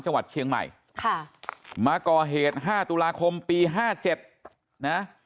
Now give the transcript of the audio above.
จังหวัดเชียงใหม่ค่ะมาก่อเหตุ๕ตุลาคมปี๕๗นะ